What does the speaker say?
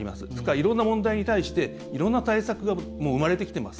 いろんな問題に対していろんな対策が生まれてきています。